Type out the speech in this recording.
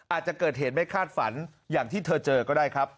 อาจจะเกิดเหตุไม่คาดฝันอย่างที่เธอเจอก็ได้ครับ